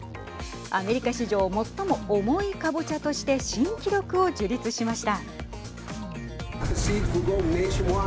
アメリカ史上最も重いかぼちゃとして新記録を樹立しました。